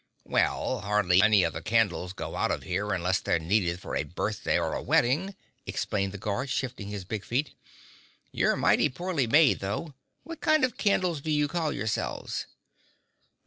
"Well, hardly any of the candles go out of here unless they're needed for a birthday or a wedding," explained the guard, shifting his big feet. "You're mighty poorly made though. What kind of candles do you call yourselves?"